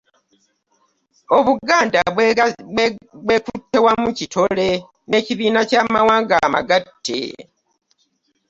Obuganda bwekutte wamu kitole n'ekibiina ky'amawanga amagatte.